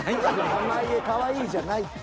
濱家かわいいじゃないって。